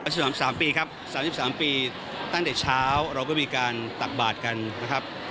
สามปีครับสามยี่สิบสามปีตั้งแต่เช้าเราก็มีการตักบาทกันนะครับ